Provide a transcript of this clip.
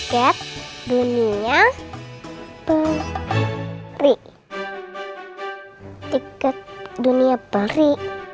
tiket dunia pelri tiket dunia pelri